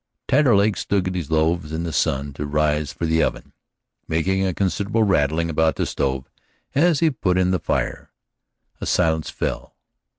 Taterleg stood his loaves in the sun to rise for the oven, making a considerable rattling about the stove as he put in the fire. A silence fell.